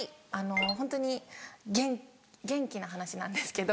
ホントに元気な話なんですけど。